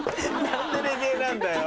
何でレゲエなんだよ。